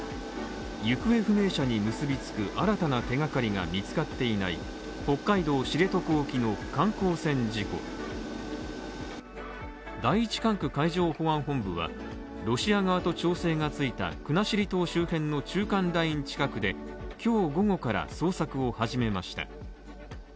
行方不明者に結びつく新たな手がかりが見つかっていない北海道知床沖の観光船事故第１管区海上保安本部は、ロシア側と調整がついた国後島周辺の中間ライン近くで、今日午後から捜索を始めました。